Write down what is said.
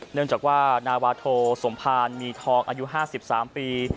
เนื่องจากว่านาวาโทสมภารมีทองอายุ๕๓ปี